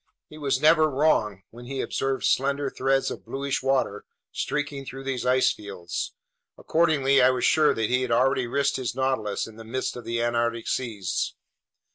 He was never wrong when he observed slender threads of bluish water streaking through these ice fields. Accordingly, I was sure that he had already risked his Nautilus in the midst of the Antarctic seas.